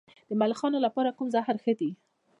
د ملخانو لپاره کوم زهر ښه دي؟